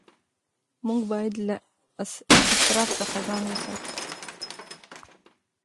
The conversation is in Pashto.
موږ باید له اسراف څخه ځان وساتو.